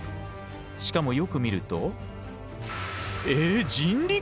しかもよく見るとえ人力！？